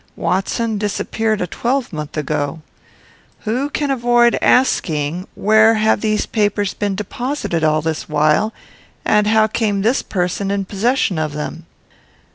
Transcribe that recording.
Watson disappeared a twelvemonth ago. Who can avoid asking, Where have these papers been deposited all this while, and how came this person in possession of them?"